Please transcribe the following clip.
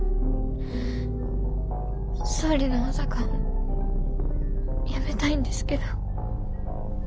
総理の補佐官辞めたいんですけど。